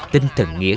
tinh thần nghĩa